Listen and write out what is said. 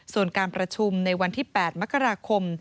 ส่วนการประชุมในวันที่๘มกราคม